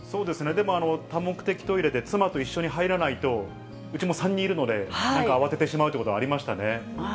でも多目的トイレで妻と一緒に入らないと、うちも３人いるので、なんか慌ててしまうということはありましたね。